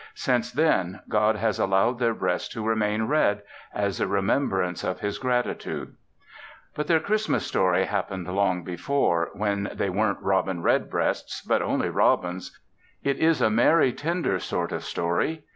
Since then God has allowed their breasts to remain red as a remembrance of His gratitude. But their Christmas story happened long before, when they weren't robin red breasts but only robins. It is a merry, tender sort of story.